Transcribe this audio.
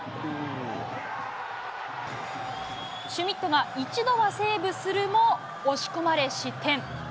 シュミットが一度はセーブするも、押し込まれ失点。